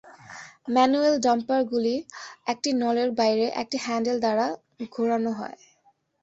Manual ডাম্পারগুলি একটি নলের বাইরে একটি হ্যান্ডেল দ্বারা ঘোরানো হয়।